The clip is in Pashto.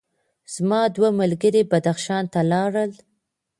زما دوه ملګري بدخشان ته لاړل.